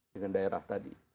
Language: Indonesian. dengan daerah tadi